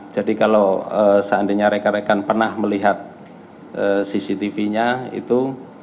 jadi kalau seandainya rekan rekan pernah melihat cctv nya itu